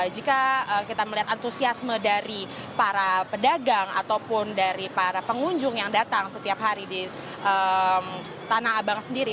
jika kita melihat antusiasme dari para pedagang ataupun dari para pengunjung yang datang setiap hari di tanah abang sendiri